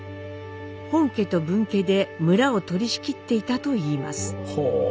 本家と分家で村を取り仕切っていたといいます。